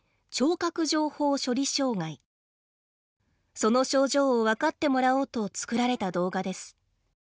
その症状を分かってもらおうと作られた動画です。